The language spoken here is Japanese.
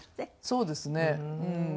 そうですねうん。